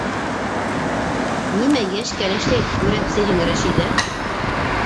Нимә йәш кәләштәй үрәпсейһең, Рәшиҙә?